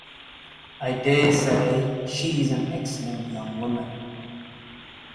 I dare say she is an excellent young woman.